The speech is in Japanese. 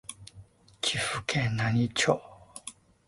岐阜県輪之内町